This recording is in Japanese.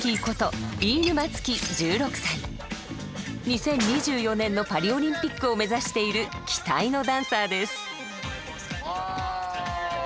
２０２４年のパリ・オリンピックを目指している期待のダンサーです。